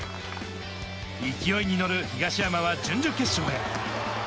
勢いに乗る東山は準々決勝へ。